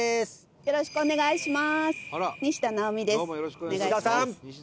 「よろしくお願いします」